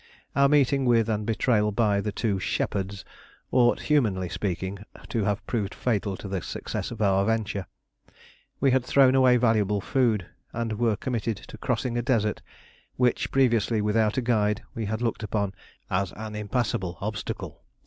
Our meeting with and betrayal by the two "shepherds" ought, humanly speaking, to have proved fatal to the success of our venture: we had thrown away valuable food, and were committed to crossing a desert which previously, without a guide, we had looked upon as an impassable obstacle.